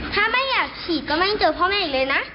ถ้าไม่อยากฉีดก็ไม่ต้องเจอพ่อแม่อีกเลยนะ